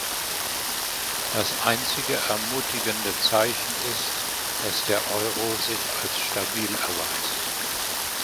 Das einzige ermutigende Zeichen ist, dass der Euro sich als stabil erweist.